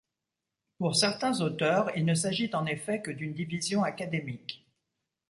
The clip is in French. Pour certains auteurs, il ne s'agit en effet que d'une division académique.